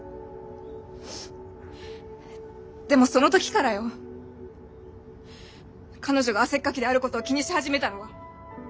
でもその時からよ彼女が汗っかきであることを気にし始めたのは。